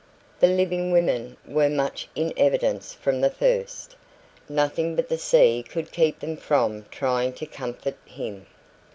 The living women were much in evidence from the first; nothing but the sea could keep them from trying to comfort him.